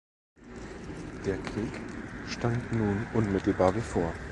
Der Krieg stand nun unmittelbar bevor.